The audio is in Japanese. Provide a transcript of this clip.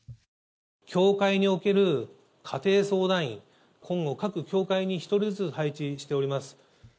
教会における家庭相談員、今後、各教会に１人ずつ配置しております。